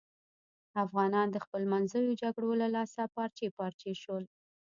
افغانان د خپلمنځیو جگړو له لاسه پارچې پارچې شول.